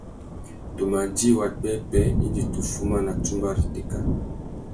Tu ma djï wapwêpwê indi tu fuma na tsumba râ itéka.